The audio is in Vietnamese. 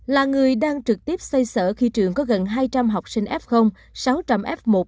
là người đang trực tiếp xây sở khi trường có gần hai trăm linh học sinh f sáu trăm linh f một